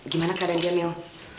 gimana keadaan dia mil